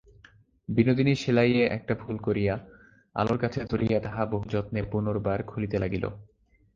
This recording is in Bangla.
বিনোদিনী সেলাইয়ে একটা ভুল করিয়া আলোর কাছে ধরিয়া তাহা বহুযত্নে পুনর্বার খুলিতে লাগিল।